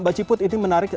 mbak ciput itu menarik